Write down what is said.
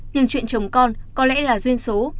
nhưng chuyện chồng con có lẽ là duyên số